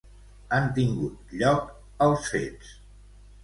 Han tingut lloc els fets.